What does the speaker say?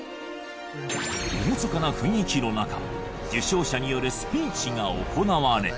厳かな雰囲気の中受賞者によるスピーチが行われ。